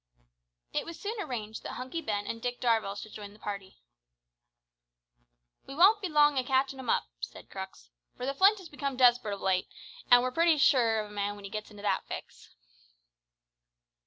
It was soon arranged that Hunky Ben and Dick Darvall should join the party. "We won't be long o' catchin' him up," said Crux, "for the Flint has become desperate of late, an' we're pretty sure of a man when he gets into that fix."